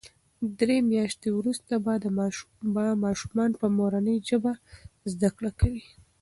درې میاشتې وروسته به ماشومان په مورنۍ ژبه زده کړه کوي.